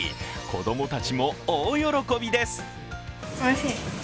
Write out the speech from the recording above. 子供たちも大喜びです。